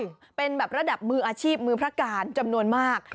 ถูกต้องเป็นระดับมืออาชีพมือพระการจำนวนมาก